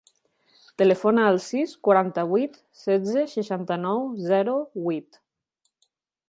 Telefona al sis, quaranta-vuit, setze, seixanta-nou, zero, vuit.